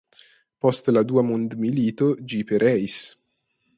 Post la Dua mondmilito ĝi pereis.